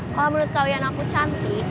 oh menurut kawian aku cantik